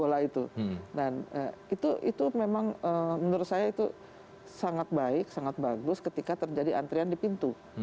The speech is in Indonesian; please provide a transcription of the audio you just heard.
ya mereka bisa dicopot bola itu dan itu memang menurut saya itu sangat baik sangat bagus ketika terjadi antrean di pintu